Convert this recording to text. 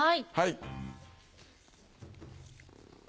はい。